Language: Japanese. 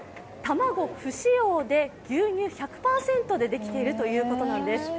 卵不使用で牛乳１００％でできているということです。